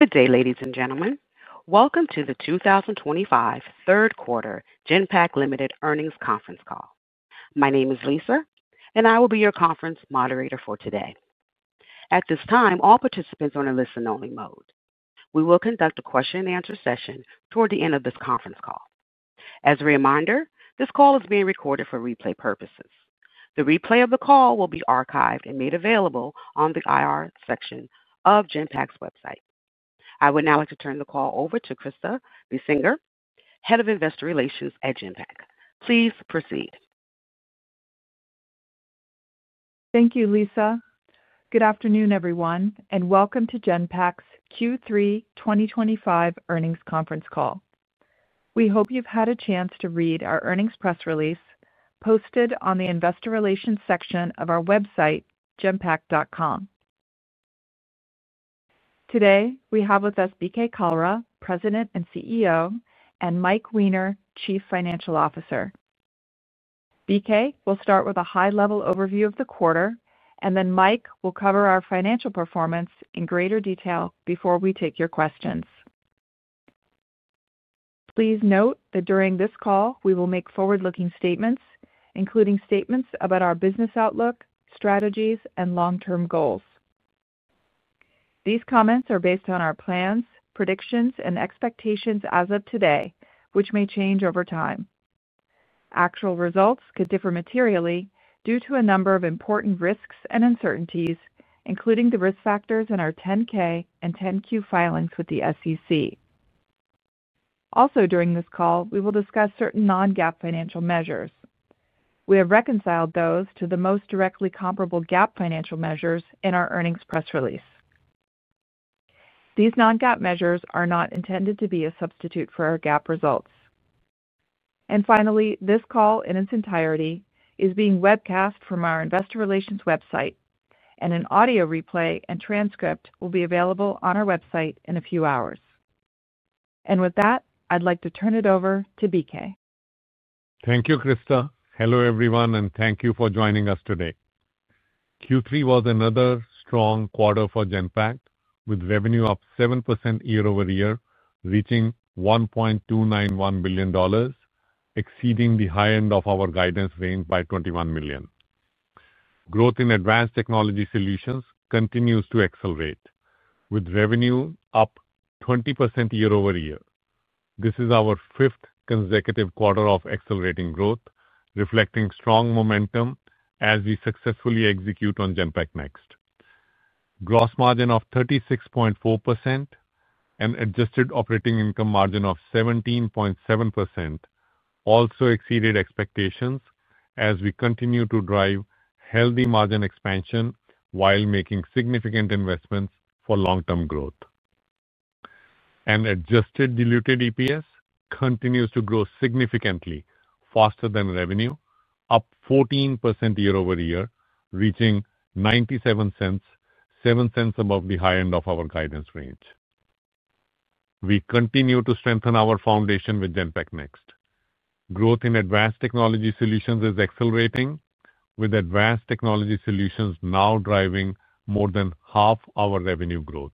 Good day, ladies and gentlemen. Welcome to the 2025 Third Quarter Genpact Earnings Conference Call. My name is Lisa, and I will be your conference moderator for today. At this time, all participants are in a listen-only mode. We will conduct a question-and-answer session toward the end of this conference call. As a reminder, this call is being recorded for replay purposes. The replay of the call will be archived and made available on the IR section of Genpact's website. I would now like to turn the call over to Krista Bessinger, Head of Investor Rlations at Genpact. Please proceed. Thank you, Lisa. Good afternoon, everyone, and welcome to Genpact's Q3 2025 earnings conference call. We hope you've had a chance to read our earnings press release posted on the Investor Relations section of our website, genpact.com. Today, we have with us BK Kalra, President and CEO, and Mike Weiner, Chief Financial Officer. BK will start with a high-level overview of the quarter, and then Mike will cover our financial performance in greater detail before we take your questions. Please note that during this call, we will make forward-looking statements, including statements about our business outlook, strategies, and long-term goals. These comments are based on our plans, predictions, and expectations as of today, which may change over time. Actual results could differ materially due to a number of important risks and uncertainties, including the risk factors in our 10-K and 10-Q filings with the SEC. Also, during this call, we will discuss certain non-GAAP financial measures. We have reconciled those to the most directly comparable GAAP financial measures in our earnings press release. These non-GAAP measures are not intended to be a substitute for our GAAP results. Finally, this call in its entirety is being webcast from our Investor Relations website, and an audio replay and transcript will be available on our website in a few hours. With that, I'd like to turn it over to BK. Thank you, Krista. Hello, everyone, and thank you for joining us today. Q3 was another strong quarter for Genpact, with revenue up 7% year-over-year, reaching $1.291 billion, exceeding the high end of our guidance range by $21 million. Growth in advanced technology solutions continues to accelerate, with revenue up 20% year-over-year. This is our fifth consecutive quarter of accelerating growth, reflecting strong momentum as we successfully execute on Genpact Next. Gross margin of 36.4% and adjusted operating income margin of 17.7% also exceeded expectations as we continue to drive healthy margin expansion while making significant investments for long-term growth. Adjusted diluted EPS continues to grow significantly, faster than revenue, up 14% year-over-year, reaching $0.97, 7 cents above the high end of our guidance range. We continue to strengthen our foundation with GenpactNext. Growth in advanced technology solutions is accelerating, with advanced technology solutions now driving more than half our revenue growth.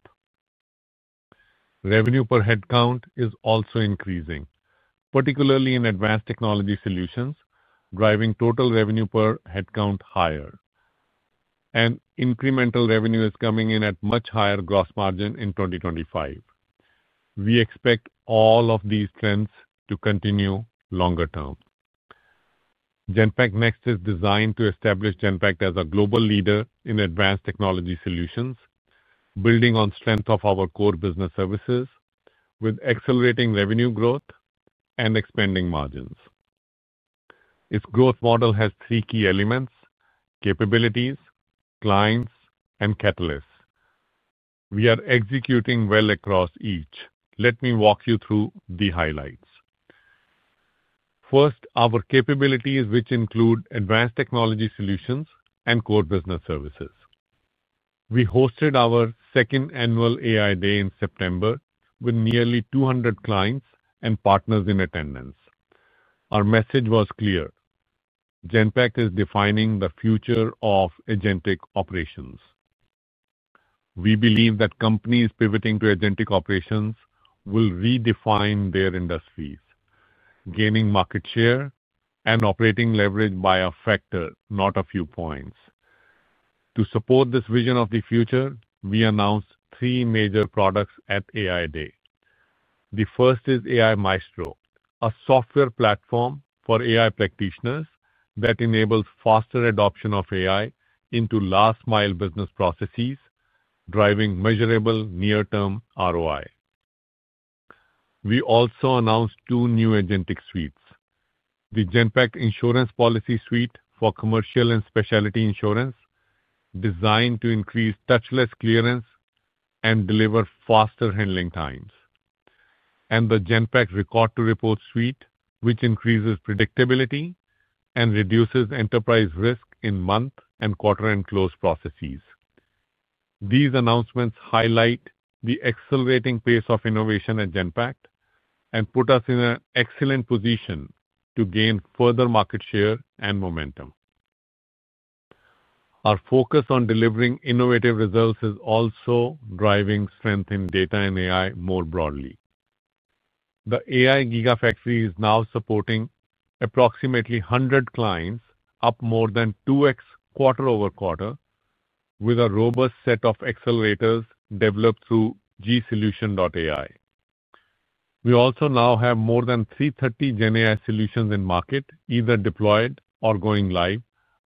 Revenue per head count is also increasing, particularly in advanced technology solutions, driving total revenue per head count higher. Incremental revenue is coming in at much higher gross margin in 2025. We expect all of these trends to continue longer term. GenpactNext is designed to establish Genpact as a global leader in advanced technology solutions, building on strength of our core business services with accelerating revenue growth and expanding margins. Its growth model has three key elements: capabilities, clients, and catalysts. We are executing well across each. Let me walk you through the highlights. First, our capabilities, which include advanced technology solutions and core business services. We hosted our second annual AI Day in September with nearly 200 clients and partners in attendance. Our message was clear. Genpact is defining the future of agentic operations. We believe that companies pivoting to agentic operations will redefine their industries, gaining market share and operating leverage by a factor, not a few points. To support this vision of the future, we announced three major products at AI Day. The first is AI Maestro, a software platform for AI practitioners that enables faster adoption of AI into last-mile business processes, driving measurable near-term ROI. We also announced two new agentic suites: the Genpact Insurance Policy Suite for commercial and specialty insurance, designed to increase touchless clearance and deliver faster handling times, and the Genpact Record to Report Suite, which increases predictability and reduces enterprise risk in month and quarter-end close processes. These announcements highlight the accelerating pace of innovation at Genpact and put us in an excellent position to gain further market share and momentum. Our focus on delivering innovative results is also driving strength in data and AI more broadly. The AI Gigafactory is now supporting approximately 100 clients, up more than 2x quarter-over-quarter, with a robust set of accelerators developed through gsolution.ai. We also now have more than 330 GenAI solutions in market, either deployed or going live,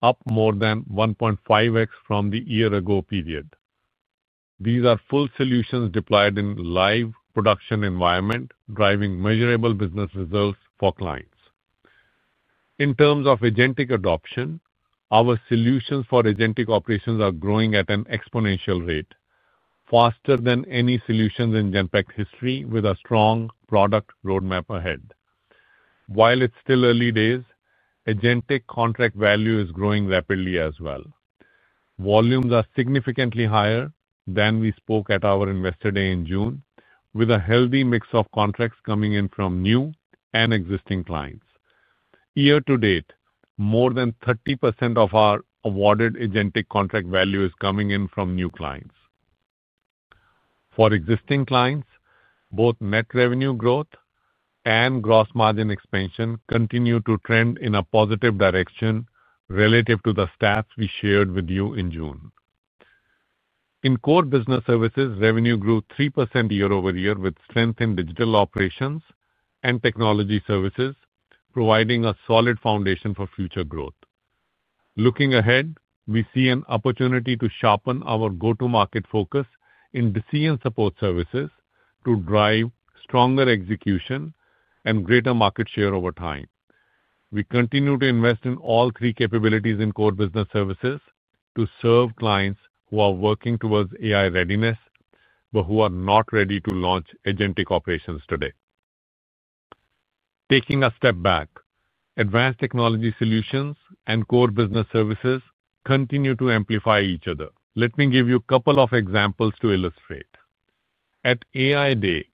up more than 1.5x from the year-ago period. These are full solutions deployed in live production environment, driving measurable business results for clients. In terms of agentic adoption, our solutions for agentic operations are growing at an exponential rate, faster than any solutions in Genpact's history, with a strong product roadmap ahead. While it's still early days, agentic contract value is growing rapidly as well. Volumes are significantly higher than we spoke at our Investor Day in June, with a healthy mix of contracts coming in from new and existing clients. Year to date, more than 30% of our awarded agentic contract value is coming in from new clients. For existing clients, both net revenue growth and gross margin expansion continue to trend in a positive direction relative to the stats we shared with you in June. In core business services, revenue grew 3% year-over-year with strength in digital operations and technology services, providing a solid foundation for future growth. Looking ahead, we see an opportunity to sharpen our go-to-market focus in decision support services to drive stronger execution and greater market share over time. We continue to invest in all three capabilities in core business services to serve clients who are working towards AI readiness but who are not ready to launch agentic operations today. Taking a step back, advanced technology solutions and core business services continue to amplify each other. Let me give you a couple of examples to illustrate. At AI Day,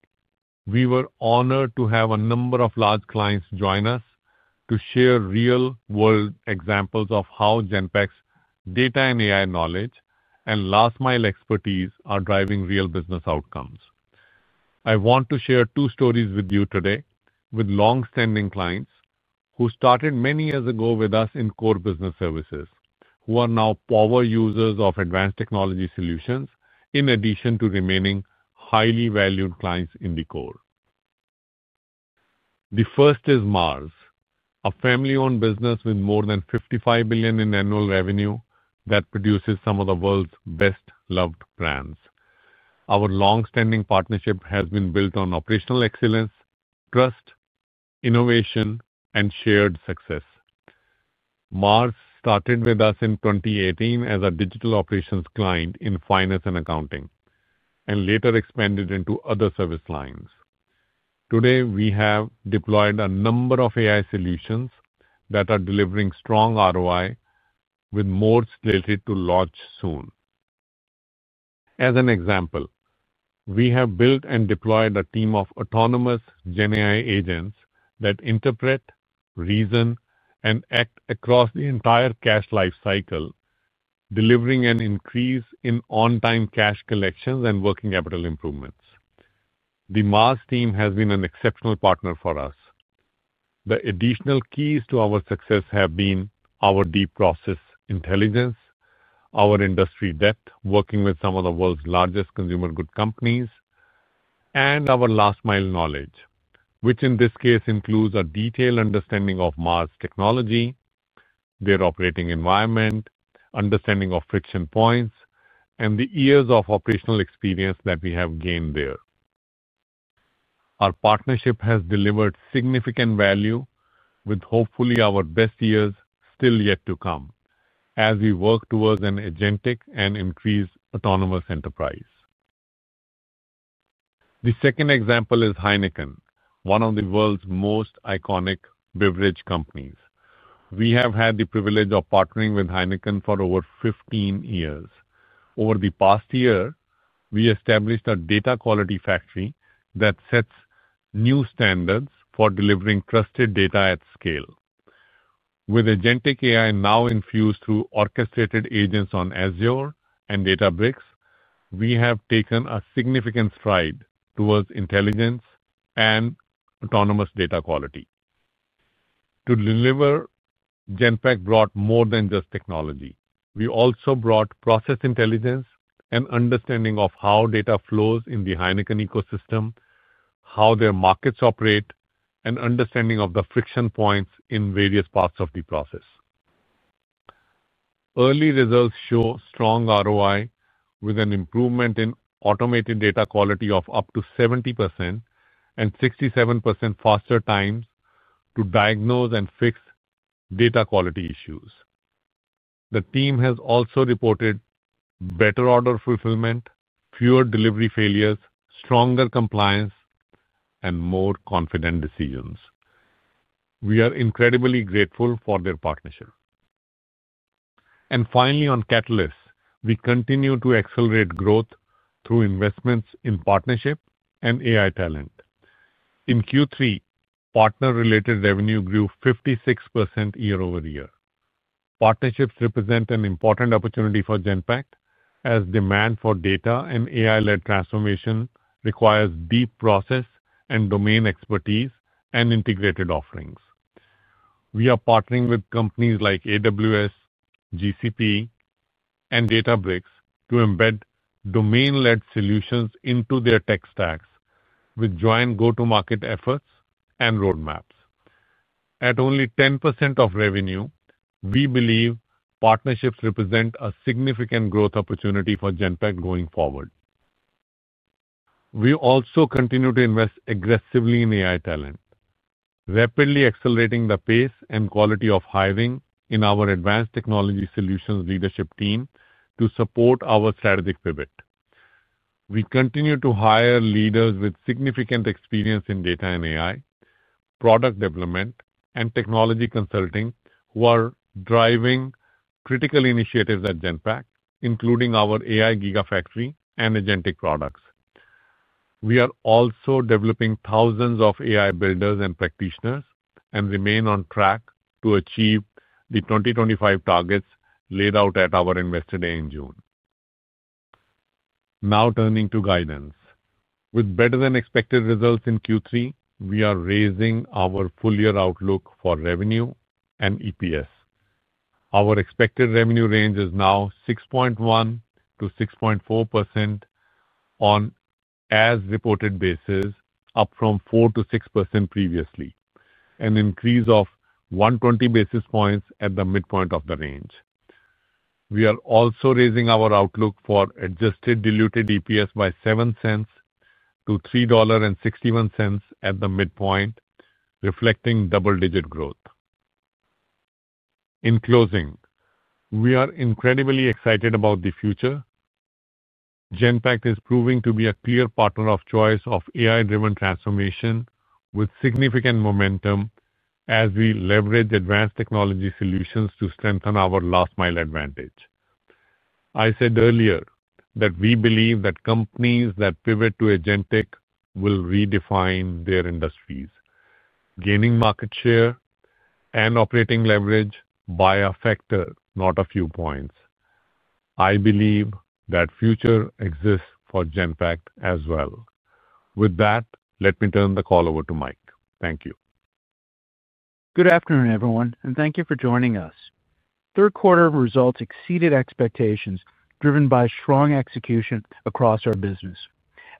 we were honored to have a number of large clients join us to share real-world examples of how Genpact's data and AI knowledge and last-mile expertise are driving real business outcomes. I want to share two stories with you today with long-standing clients who started many years ago with us in core business services, who are now power users of advanced technology solutions, in addition to remaining highly valued clients in the core. The first is Mars, a family-owned business with more than $55 billion in annual revenue that produces some of the world's best-loved brands. Our long-standing partnership has been built on operational excellence, trust, innovation, and shared success. Mars started with us in 2018 as a digital operations client in finance and accounting, and later expanded into other service lines. Today, we have deployed a number of AI solutions that are delivering strong ROI, with more slated to launch soon. As an example, we have built and deployed a team of autonomous GenAI agents that interpret, reason, and act across the entire cash lifecycle, delivering an increase in on-time cash collections and working capital improvements. The Mars team has been an exceptional partner for us. The additional keys to our success have been our deep process intelligence, our industry depth, working with some of the world's largest consumer goods companies. Our last-mile knowledge, which in this case includes a detailed understanding of Mars technology, their operating environment, understanding of friction points, and the years of operational experience that we have gained there. Our partnership has delivered significant value, with hopefully our best years still yet to come as we work towards an agentic and increased autonomous enterprise. The second example is Heineken, one of the world's most iconic beverage companies. We have had the privilege of partnering with Heineken for over 15 years. Over the past year, we established a data quality factory that sets new standards for delivering trusted data at scale. With agentic AI now infused through orchestrated agents on Azure and Databricks, we have taken a significant stride towards intelligence and autonomous data quality. To deliver, Genpact brought more than just technology. We also brought process intelligence and understanding of how data flows in the Heineken ecosystem, how their markets operate, and understanding of the friction points in various parts of the process. Early results show strong ROI, with an improvement in automated data quality of up to 70% and 67% faster times to diagnose and fix data quality issues. The team has also reported better order fulfillment, fewer delivery failures, stronger compliance. More confident decisions. We are incredibly grateful for their partnership. Finally, on catalysts, we continue to accelerate growth through investments in partnership and AI talent. In Q3, partner-related revenue grew 56% year-over-year. Partnerships represent an important opportunity for Genpact, as demand for data and AI-led transformation requires deep process and domain expertise and integrated offerings. We are partnering with companies like AWS, GCP, and Databricks to embed domain-led solutions into their tech stacks with joint go-to-market efforts and roadmaps. At only 10% of revenue, we believe partnerships represent a significant growth opportunity for Genpact going forward. We also continue to invest aggressively in AI talent, rapidly accelerating the pace and quality of hiring in our advanced technology solutions leadership team to support our strategic pivot. We continue to hire leaders with significant experience in data and AI, product development, and technology consulting who are driving critical initiatives at Genpact, including our AI Gigafactory and agentic products. We are also developing thousands of AI builders and practitioners and remain on track to achieve the 2025 targets laid out at our Investor Day in June. Now turning to guidance. With better-than-expected results in Q3, we are raising our full-year outlook for revenue and EPS. Our expected revenue range is now 6.1%-6.4%. On an as reported basis, up from 4%-6% previously, an increase of 120 basis points at the midpoint of the range. We are also raising our outlook for adjusted diluted EPS by $0.07 to $3.61 at the midpoint, reflecting double-digit growth. In closing, we are incredibly excited about the future. Genpact is proving to be a clear partner of choice for AI-driven transformation with significant momentum as we leverage advanced technology solutions to strengthen our last-mile advantage. I said earlier that we believe that companies that pivot to agentic will redefine their industries, gaining market share and operating leverage by a factor, not a few points. I believe that future exists for Genpact as well. With that, let me turn the call over to Mike. Thank you. Good afternoon, everyone, and thank you for joining us. Third quarter results exceeded expectations, driven by strong execution across our business.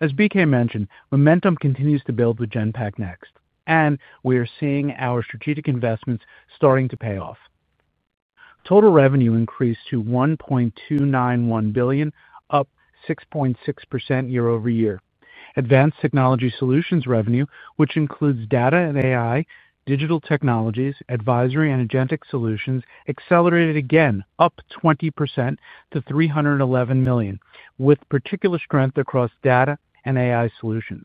As BK mentioned, momentum continues to build with GenpactNext, and we are seeing our strategic investments starting to pay off. Total revenue increased to $1.291 billion, up 6.6% year-over-year. Advanced technology solutions revenue, which includes data and AI, digital technologies, advisory, and agentic solutions, accelerated again, up 20% to $311 million, with particular strength across data and AI solutions.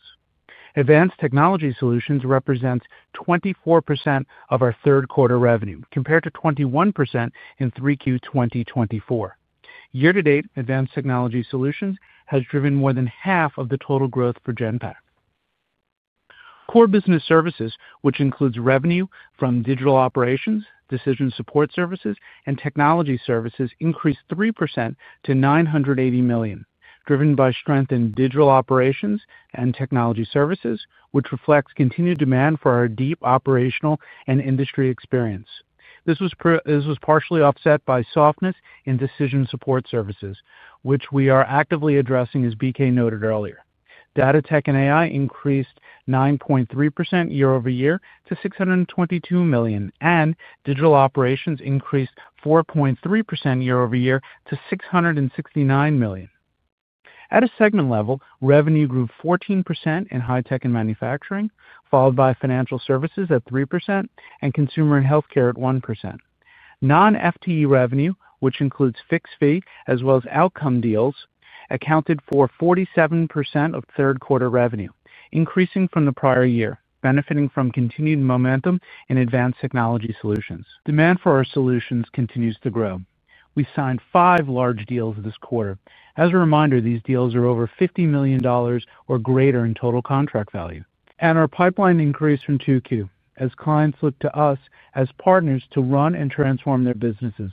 Advanced technology solutions represents 24% of our third-quarter revenue, compared to 21% in 3Q 2024. Year to date, advanced technology solutions has driven more than half of the total growth for Genpact. Core business services, which includes revenue from digital operations, decision support services, and technology services, increased 3% to $980 million, driven by strength in digital operations and technology services, which reflects continued demand for our deep operational and industry experience. This was partially offset by softness in decision support services, which we are actively addressing, as BK noted earlier. Data tech and AI increased 9.3% year-over-year to $622 million, and digital operations increased 4.3% year-over-year to $669 million. At a segment level, revenue grew 14% in high-tech and manufacturing, followed by financial services at 3% and consumer and healthcare at 1%. Non-FTE revenue, which includes fixed fee as well as outcome deals, accounted for 47% of third-quarter revenue, increasing from the prior year, benefiting from continued momentum in advanced technology solutions. Demand for our solutions continues to grow. We signed five large deals this quarter. As a reminder, these deals are over $50 million or greater in total contract value. Our pipeline increased from 2Q as clients look to us as partners to run and transform their businesses.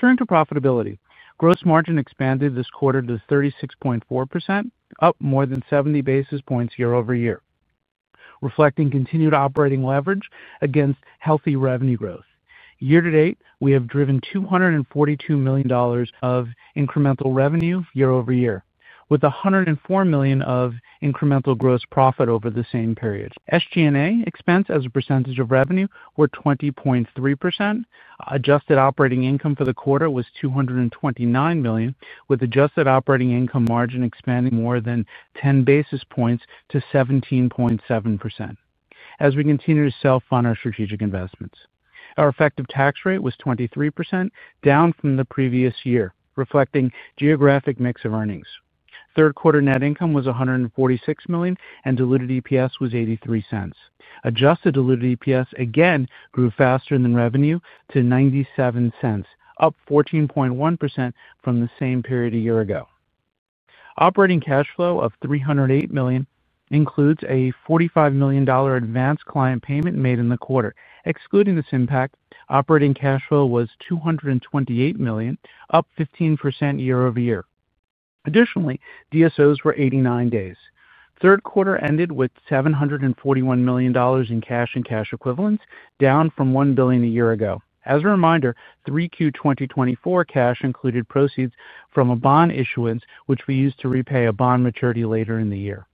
Turning to profitability, gross margin expanded this quarter to 36.4%, up more than 70 basis points year-over-year, reflecting continued operating leverage against healthy revenue growth. Year to date, we have driven $242 million of incremental revenue year-over-year, with $104 million of incremental gross profit over the same period. SG&A expense as a percentage of revenue were 20.3%. Adjusted operating income for the quarter was $229 million, with adjusted operating income margin expanding more than 10 basis points to 17.7% as we continue to self-fund our strategic investments. Our effective tax rate was 23%, down from the previous year, reflecting geographic mix of earnings. Third-quarter net income was $146 million, and diluted EPS was $0.83. Adjusted diluted EPS again grew faster than revenue to $0.97, up 14.1% from the same period a year ago. Operating cash flow of $308 million includes a $45 million advanced client payment made in the quarter. Excluding this impact, operating cash flow was $228 million, up 15% year-over-year. Additionally, DSOs were 89 days. Third quarter ended with $741 million in cash and cash equivalents, down from $1 billion a year ago. As a reminder, 3Q 2024 cash included proceeds from a bond issuance, which we used to repay a bond maturity later in the year.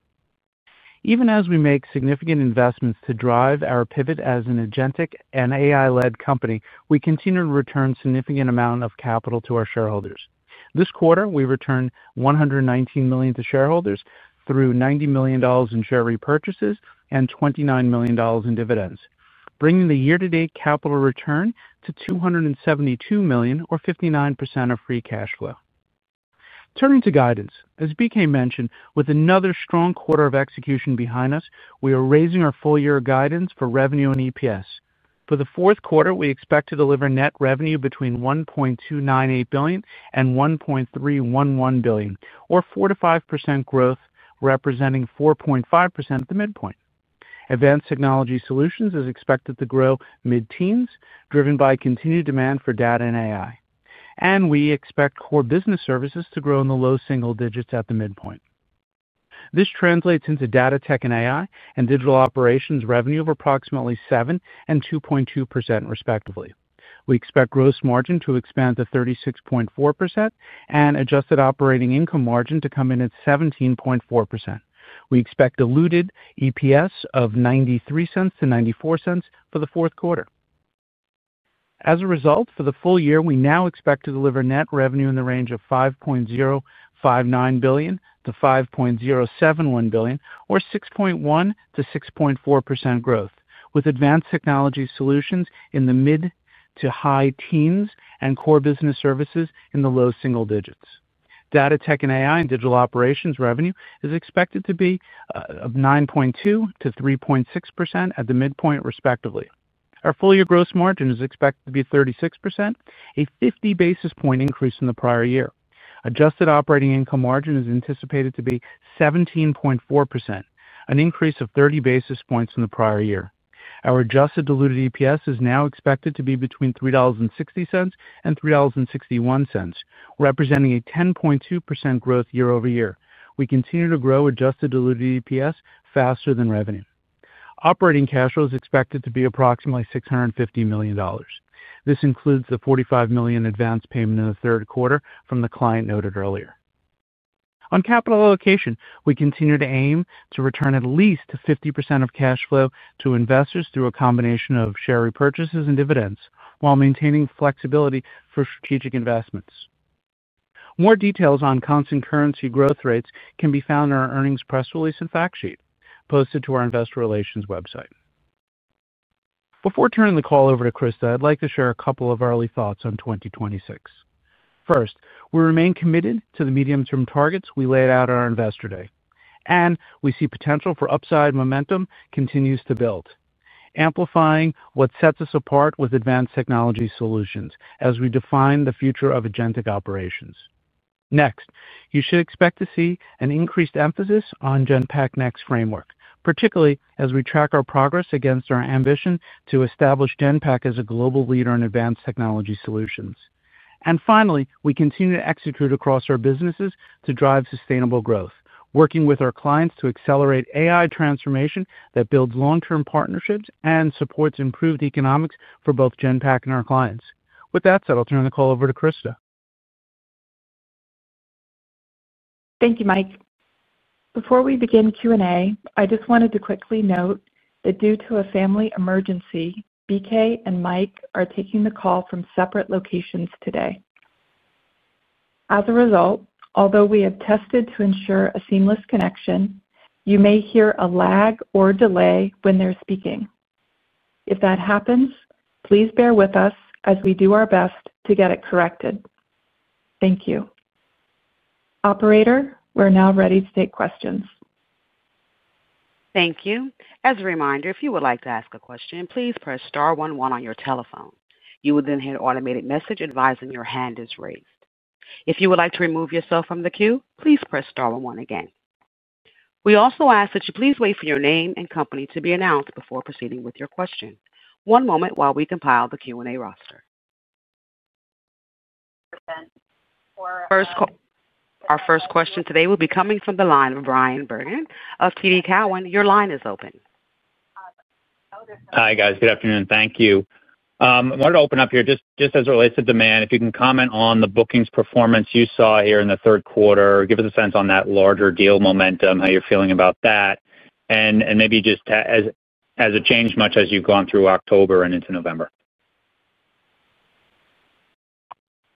Even as we make significant investments to drive our pivot as an agentic and AI-led company, we continue to return a significant amount of capital to our shareholders. This quarter, we returned $119 million to shareholders through $90 million in share repurchases and $29 million in dividends, bringing the year-to-date capital return to $272 million, or 59% of free cash flow. Turning to guidance, as BK mentioned, with another strong quarter of execution behind us, we are raising our full-year guidance for revenue and EPS. For the fourth quarter, we expect to deliver net revenue between $1.298 billion and $1.311 billion, or 4%-5% growth, representing 4.5% at the midpoint. Advanced technology solutions is expected to grow mid-teens, driven by continued demand for data and AI. We expect core business services to grow in the low single digits at the midpoint. This translates into data tech and AI and digital operations revenue of approximately 7 and 2.2%, respectively. We expect gross margin to expand to 36.4% and adjusted operating income margin to come in at 17.4%. We expect diluted EPS of $0.93-$0.94 for the fourth quarter. As a result, for the full year, we now expect to deliver net revenue in the range of $5.059 billion-$5.071 billion, or 6.1%-6.4% growth, with advanced technology solutions in the mid to high teens and core business services in the low single digits. Data tech and AI and digital operations revenue is expected to be of 9.2%-3.6% at the midpoint, respectively. Our full-year gross margin is expected to be 36%, a 50 basis point increase from the prior year. Adjusted operating income margin is anticipated to be 17.4%, an increase of 30 basis points from the prior year. Our adjusted diluted EPS is now expected to be between $3.60 and $3.61, representing a 10.2% growth year-over-year. We continue to grow adjusted diluted EPS faster than revenue. Operating cash flow is expected to be approximately $650 million. This includes the $45 million advance payment in the third quarter from the client noted earlier. On capital allocation, we continue to aim to return at least 50% of cash flow to investors through a combination of share repurchases and dividends, while maintaining flexibility for strategic investments. More details on constant currency growth rates can be found in our earnings press release and fact sheet posted to our investor relations website. Before turning the call over to Krista, I'd like to share a couple of early thoughts on 2026. First, we remain committed to the medium-term targets we laid out at our Investor Day, and we see potential for upside momentum continues to build, amplifying what sets us apart with advanced technology solutions as we define the future of agentic operations. Next, you should expect to see an increased emphasis on GenpactNext framework, particularly as we track our progress against our ambition to establish Genpact as a global leader in advanced technology solutions. Finally, we continue to execute across our businesses to drive sustainable growth, working with our clients to accelerate AI transformation that builds long-term partnerships and supports improved economics for both Genpact and our clients. With that said, I'll turn the call over to Krista. Thank you, Mike. Before we begin Q&A, I just wanted to quickly note that due to a family emergency, BK and Mike are taking the call from separate locations today. As a result, although we have tested to ensure a seamless connection, you may hear a lag or delay when they're speaking. If that happens, please bear with us as we do our best to get it corrected. Thank you. Operator, we're now ready to take questions. Thank you. As a reminder, if you would like to ask a question, please press star one one on your telephone. You will then hear an automated message advising your hand is raised. If you would like to remove yourself from the queue, please press star one one again. We also ask that you please wait for your name and company to be announced before proceeding with your question. One moment while we compile the Q&A roster. First call. Our first question today will be coming from the line of Bryan Bergin of TD Cowen. Your line is open. Hi, guys. Good afternoon. Thank you. I wanted to open up here just as it relates to demand. If you can comment on the bookings performance you saw here in the third quarter, give us a sense on that larger deal momentum, how you're feeling about that, and maybe just as a change, much as you've gone through October and into November.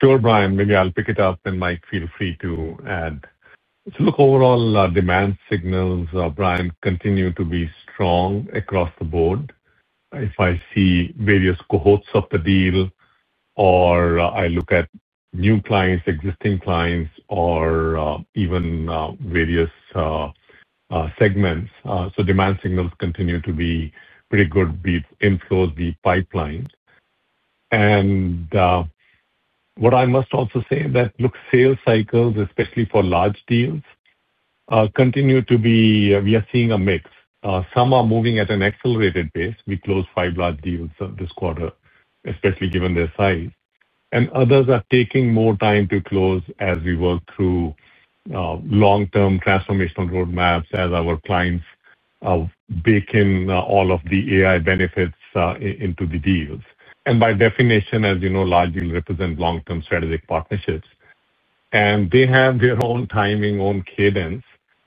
Sure, Bryan. Maybe I'll pick it up, and Mike, feel free to add. Look, overall demand signals, Brian, continue to be strong across the board. If I see various cohorts of the deal or I look at new clients, existing clients, or even various segments, demand signals continue to be pretty good, be inflows, be pipelines. What I must also say is that, look, sales cycles, especially for large deals, continue to be—we are seeing a mix. Some are moving at an accelerated pace. We closed five large deals this quarter, especially given their size. Others are taking more time to close as we work through long-term transformational roadmaps as our clients bake in all of the AI benefits into the deals. By definition, as you know, large deals represent long-term strategic partnerships. They have their own timing, own cadence,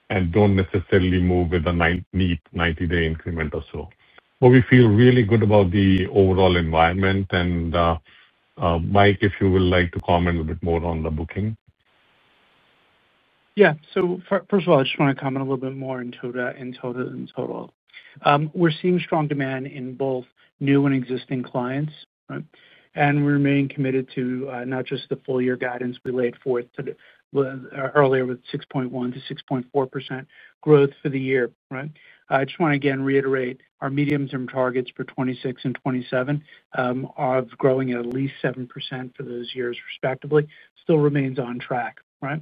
and do not necessarily move with a neat 90-day increment or so. We feel really good about the overall environment. Mike, if you would like to comment a bit more on the booking. Yeah. First of all, I just want to comment a little bit more in total. We are seeing strong demand in both new and existing clients, right? We remain committed to not just the full-year guidance we laid forth earlier with 6.1%-6.4% growth for the year, right? I just want to again reiterate our medium-term targets for 2026 and 2027. Of growing at least 7% for those years, respectively, still remains on track, right?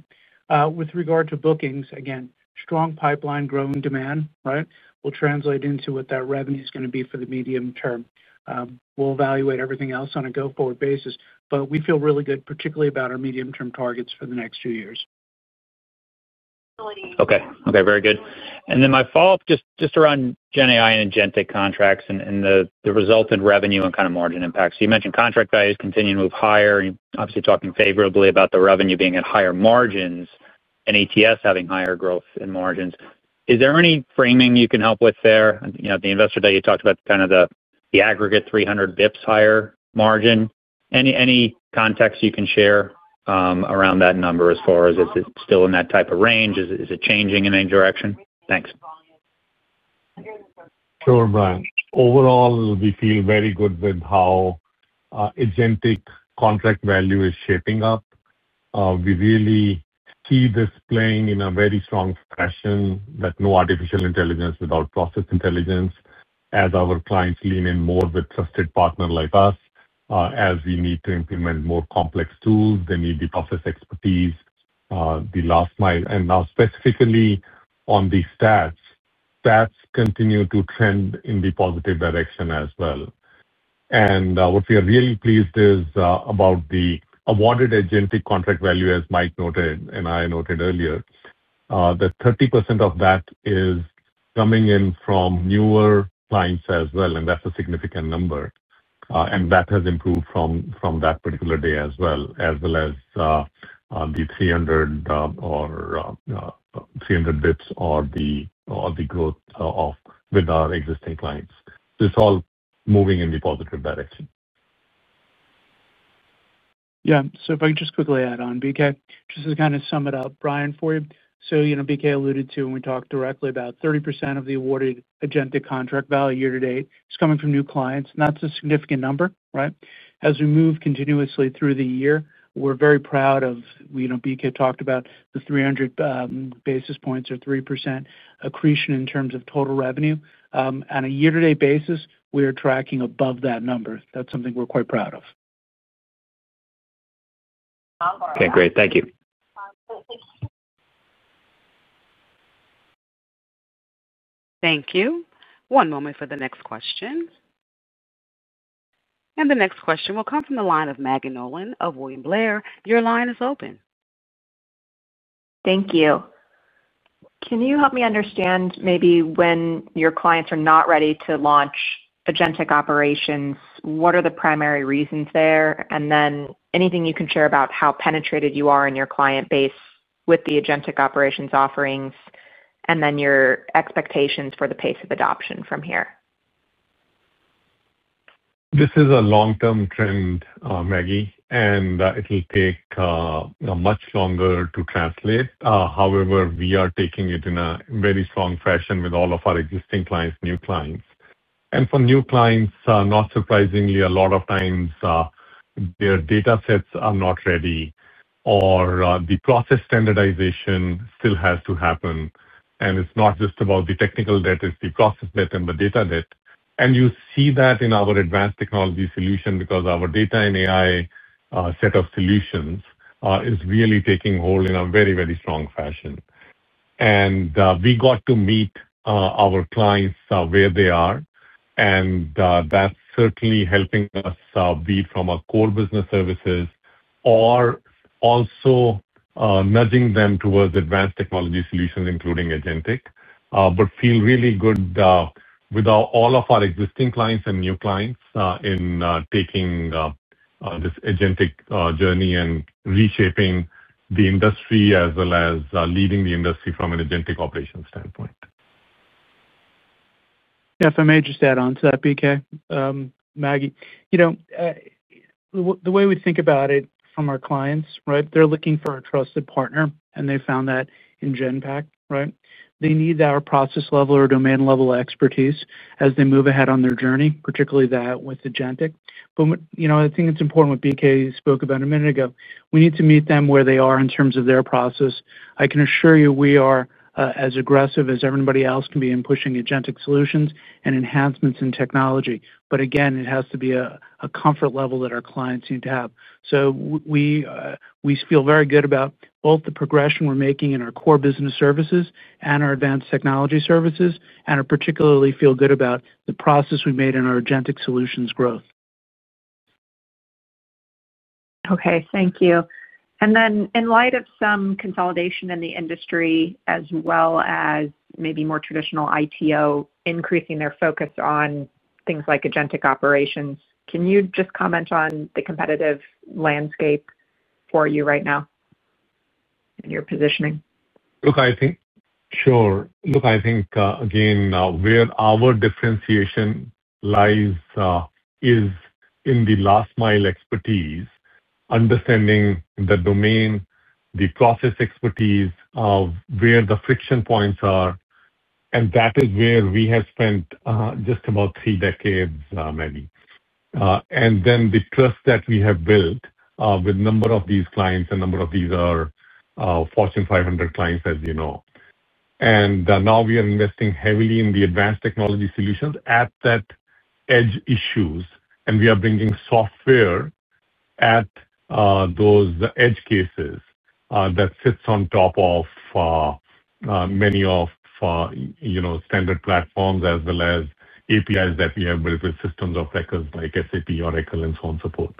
With regard to bookings, again, strong pipeline, growing demand, right? Will translate into what that revenue is going to be for the medium term. We'll evaluate everything else on a go-forward basis, but we feel really good, particularly about our medium-term targets for the next few years. Okay. Okay. Very good. My follow-up just around GenAI and agentic contracts and the resultant revenue and kind of margin impacts. You mentioned contract values continue to move higher, and obviously talking favorably about the revenue being at higher margins and ETS having higher growth in margins. Is there any framing you can help with there? The investor that you talked about, kind of the aggregate 300 basis points higher margin, any context you can share around that number as far as is it still in that type of range? Is it changing in any direction? Thanks. Sure, Brian. Overall, we feel very good with how agentic contract value is shaping up. We really see this playing in a very strong fashion that no artificial intelligence without process intelligence, as our clients lean in more with trusted partners like us, as we need to implement more complex tools, the need to process expertise, the last mile. And now, specifically on the stats, stats continue to trend in the positive direction as well. What we are really pleased about is the awarded agentic contract value, as Mike noted and I noted earlier, that 30% of that is coming in from newer clients as well. That is a significant number. That has improved from that particular day as well, as well as the 300 or 300 basis points or the growth with our existing clients. It is all moving in the positive direction. Yeah. If I can just quickly add on, BK, just to kind of sum it up, Bryan, for you. BK alluded to when we talked directly about 30% of the awarded agentic contract value year to date, it is coming from new clients. That is a significant number, right? As we move continuously through the year, we are very proud of BK talked about the 300 basis points or 3% accretion in terms of total revenue. On a year-to-date basis, we are tracking above that number. That's something we're quite proud of. Okay. Great. Thank you. Thank you. One moment for the next question. The next question will come from the line of Maggie Nolan of William Blair. Your line is open. Thank you. Can you help me understand maybe when your clients are not ready to launch agentic operations? What are the primary reasons there? Anything you can share about how penetrated you are in your client base with the agentic operations offerings and your expectations for the pace of adoption from here. This is a long-term trend, Maggie, and it'll take much longer to translate. However, we are taking it in a very strong fashion with all of our existing clients, new clients. For new clients, not surprisingly, a lot of times. Their data sets are not ready, or the process standardization still has to happen. It is not just about the technical debt; it is the process debt and the data debt. You see that in our advanced technology solution because our data and AI set of solutions is really taking hold in a very, very strong fashion. We got to meet our clients where they are, and that is certainly helping us be from our core business services or also nudging them towards advanced technology solutions, including agentic. I feel really good with all of our existing clients and new clients in taking this agentic journey and reshaping the industry as well as leading the industry from an agentic operations standpoint. Yeah. If I may just add on to that, BK. Maggie. The way we think about it from our clients, right, they're looking for a trusted partner, and they found that in Genpact, right? They need our process level or domain level expertise as they move ahead on their journey, particularly that with agentic. I think it's important what BK spoke about a minute ago. We need to meet them where they are in terms of their process. I can assure you we are as aggressive as everybody else can be in pushing agentic solutions and enhancements in technology. It has to be a comfort level that our clients need to have. We feel very good about both the progression we're making in our core business services and our advanced technology services, and I particularly feel good about the process we made in our agentic solutions growth. Okay. Thank you. In light of some consolidation in the industry as well as maybe more traditional ITO increasing their focus on things like agentic operations, can you just comment on the competitive landscape for you right now and your positioning? Look, I think, sure. Look, I think, again, where our differentiation lies is in the last mile expertise, understanding the domain, the process expertise of where the friction points are. That is where we have spent just about three decades, Maggie. The trust that we have built with a number of these clients, a number of these are Fortune 500 clients, as you know. Now we are investing heavily in the advanced technology solutions at that edge issues, and we are bringing software at those edge cases that sits on top of many of. Standard platforms as well as APIs that we have built with systems of record like SAP or Echelon's own support.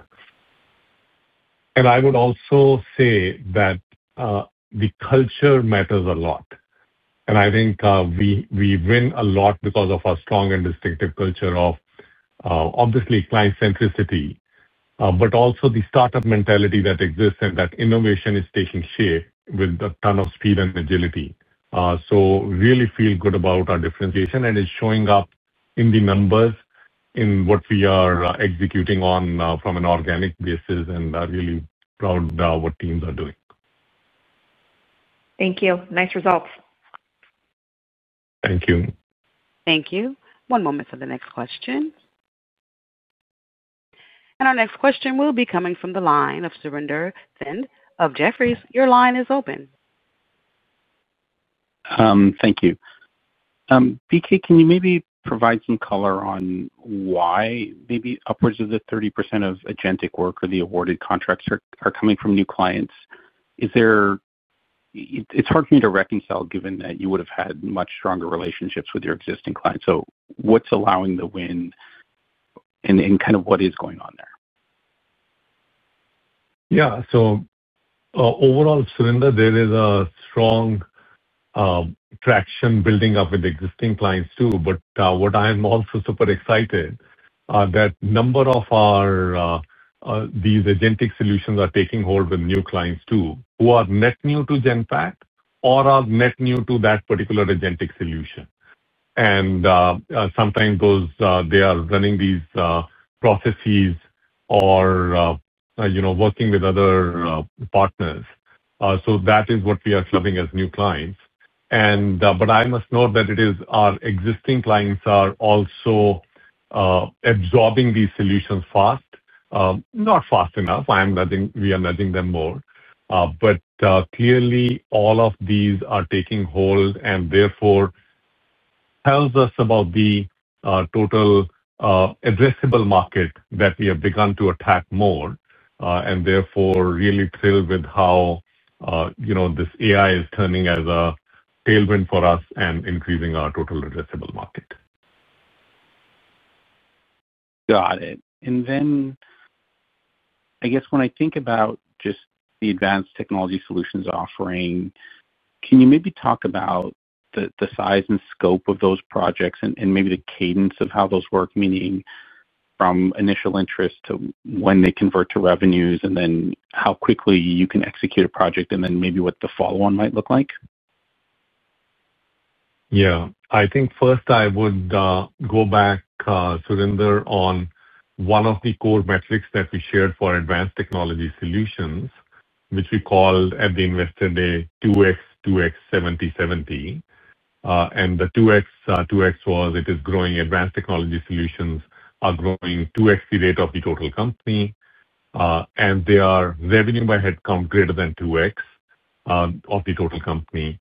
I would also say that the culture matters a lot. I think we win a lot because of our strong and distinctive culture of obviously client centricity, but also the startup mentality that exists and that innovation is taking shape with a ton of speed and agility. We really feel good about our differentiation, and it is showing up in the numbers in what we are executing on from an organic basis, and I am really proud of what teams are doing. Thank you. Nice results. Thank you. Thank you. One moment for the next question. Our next question will be coming from the line of Surinder Thind of Jefferies. Your line is open. Thank you. BK, can you maybe provide some color on. Why maybe upwards of 30% of agentic work or the awarded contracts are coming from new clients? It's hard for me to reconcile, given that you would have had much stronger relationships with your existing clients. What's allowing the win, and kind of what is going on there? Yeah. Overall, Surinder, there is a strong traction building up with existing clients too. What I am also super excited about is that a number of these agentic solutions are taking hold with new clients too who are net new to Genpact or are net new to that particular agentic solution. Sometimes they are running these processes or working with other partners. That is what we are clubbing as new clients. I must note that our existing clients are also absorbing these solutions fast. Not fast enough. We are nudging them more. Clearly, all of these are taking hold, and therefore tells us about the total addressable market that we have begun to attack more, and therefore really thrilled with how this AI is turning as a tailwind for us and increasing our total addressable market. Got it. I guess when I think about just the advanced technology solutions offering, can you maybe talk about the size and scope of those projects and maybe the cadence of how those work, meaning from initial interest to when they convert to revenues and then how quickly you can execute a project and then maybe what the follow-on might look like? Yeah. I think first I would go back, Surinder, on one of the core metrics that we shared for advanced technology solutions, which we called at the investor day, 2x, 2x, 70/70. And the 2x, 2x was it is growing. Advanced technology solutions are growing 2x the rate of the total company. Their revenue by headcount is greater than 2x of the total company.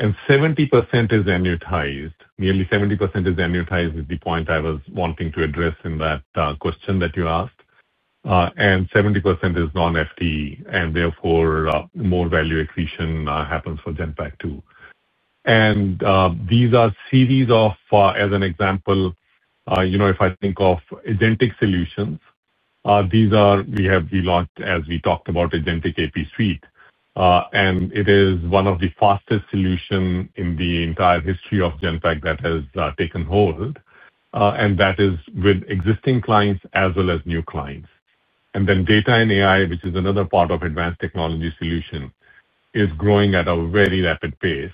70% is annuitized. Nearly 70% is annuitized is the point I was wanting to address in that question that you asked. 70% is non-FTE, and therefore more value accretion happens for Genpact too. These are a series of, as an example, if I think of agentic solutions, we launched, as we talked about, agentic AP suite. It is one of the fastest solutions in the entire history of Genpact that has taken hold. That is with existing clients as well as new clients. Data and AI, which is another part of advanced technology solution, is growing at a very rapid pace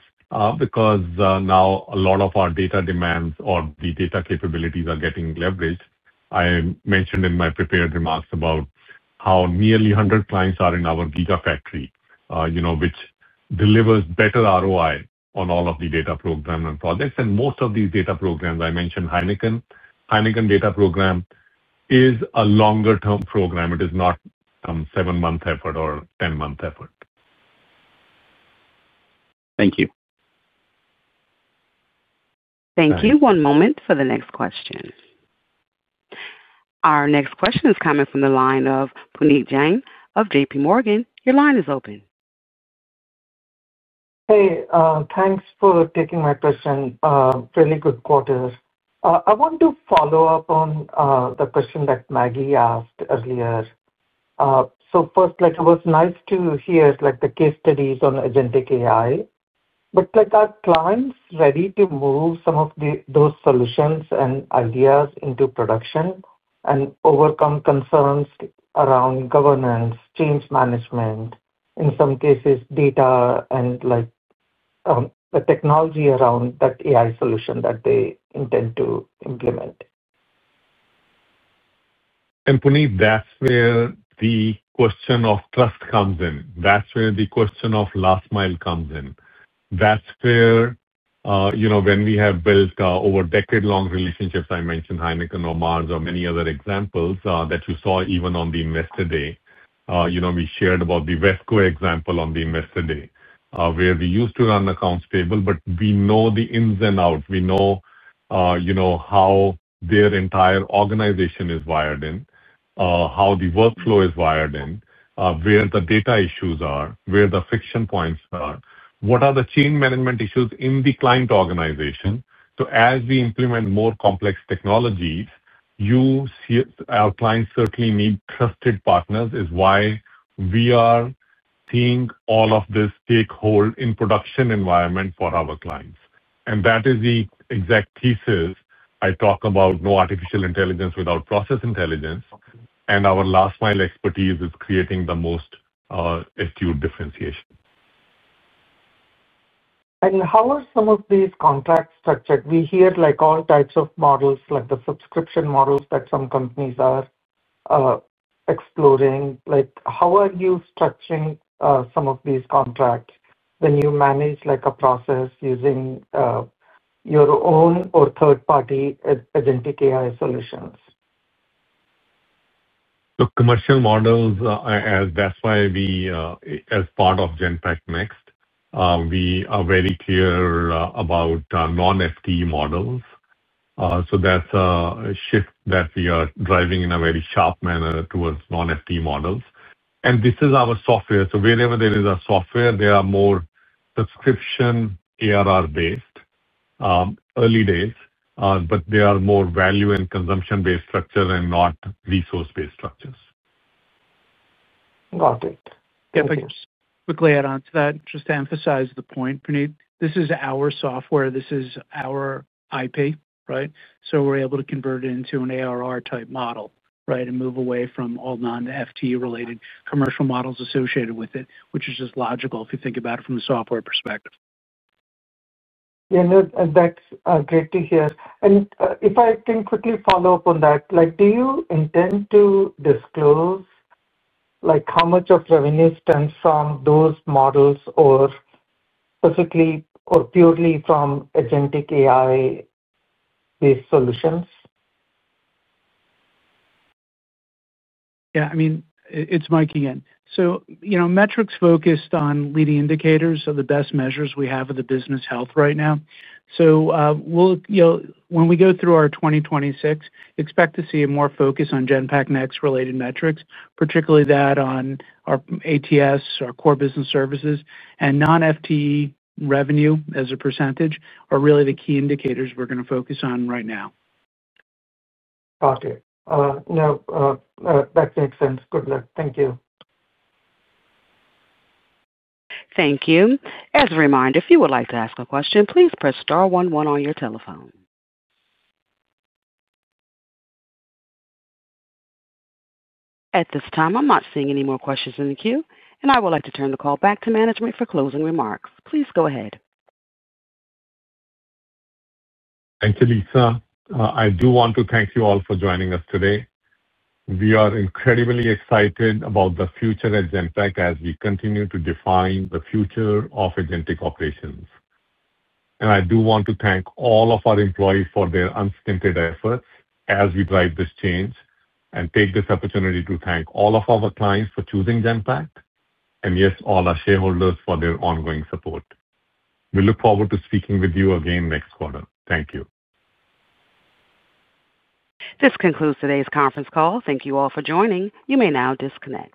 because now a lot of our data demands or the data capabilities are getting leveraged. I mentioned in my prepared remarks about how nearly 100 clients are in our Giga Factory, which delivers better ROI on all of the data programs and projects. Most of these data programs, I mentioned Heineken. Heineken data program is a longer-term program. It is not a seven-month effort or a ten-month effort. Thank you. One moment for the next question. Our next question is coming from the line of Puneet Jain of JPMorgan. Your line is open. Hey. Thanks for taking my question. Fairly good quarters. I want to follow up on the question that Maggie asked earlier. First, it was nice to hear the case studies on agentic AI, but are clients ready to move some of those solutions and ideas into production and overcome concerns around governance, change management, in some cases, data, and. The technology around that AI solution that they intend to implement? Puneet, that's where the question of trust comes in. That's where the question of last mile comes in. That's where, when we have built over-decade-long relationships, I mentioned Heineken or Mars or many other examples that you saw even on the investor day. We shared about the Wesco example on the investor day where we used to run accounts payable, but we know the ins and outs. We know how their entire organization is wired in, how the workflow is wired in, where the data issues are, where the friction points are, what are the change management issues in the client organization. As we implement more complex technologies, our clients certainly need trusted partners, which is why we are seeing all of this take hold in production environment for our clients. That is the exact thesis I talk about: no artificial intelligence without process intelligence. Our last mile expertise is creating the most acute differentiation. How are some of these contracts structured? We hear all types of models, like the subscription models that some companies are exploring. How are you structuring some of these contracts when you manage a process using your own or third-party agentic AI solutions? Commercial models, that is why we, as part of GenpactNext, are very clear about non-FTE models. That is a shift that we are driving in a very sharp manner towards non-FTE models. This is our software. Wherever there is software, there are more subscription, ARR-based. Early days, but they are more value and consumption-based structures and not resource-based structures. Got it. Can I just quickly add on to that, just to emphasize the point, Puneet? This is our software. This is our IP, right? So we're able to convert it into an ARR-type model, right, and move away from all non-FTE-related commercial models associated with it, which is just logical if you think about it from a software perspective. Yeah. No, that's great to hear. If I can quickly follow up on that, do you intend to disclose how much of revenue stems from those models or specifically or purely from agentic AI-based solutions? Yeah. I mean, it's Mikey again. Metrics focused on leading indicators are the best measures we have of the business health right now. When we go through our 2026, expect to see more focus on Genpact Next-related metrics, particularly that on our ATS, our core business services, and non-FTE revenue as a percentage are really the key indicators we're going to focus on right now. Got it. No. That makes sense. Good luck. Thank you. Thank you. As a reminder, if you would like to ask a question, please press star one one on your telephone. At this time, I'm not seeing any more questions in the queue, and I would like to turn the call back to management for closing remarks. Please go ahead. Thank you, Lisa. I do want to thank you all for joining us today. We are incredibly excited about the future at Genpact as we continue to define the future of agentic operations. I do want to thank all of our employees for their unstinted efforts as we drive this change. I want to take this opportunity to thank all of our clients for choosing Genpact, and yes, all our shareholders for their ongoing support. We look forward to speaking with you again next quarter. Thank you. This concludes today's conference call. Thank you all for joining. You may now disconnect.